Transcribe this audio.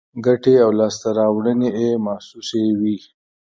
ګټې او لاسته راوړنې یې محسوسې وي.